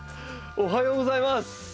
おはようございます。